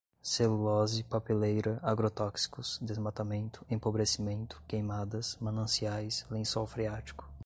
celulose, papeleira, agrotóxicos, desmatamento, empobrecimento, queimadas, mananciais, lençol freático